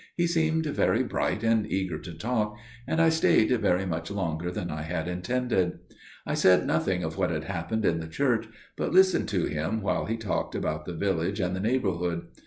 He seemed very bright and eager to talk, and I stayed very much longer than I had intended. I said nothing of what had happened in the church; but listened to him while he talked about the village and the neighbourhood.